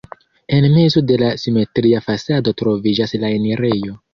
En mezo de la simetria fasado troviĝas la enirejo.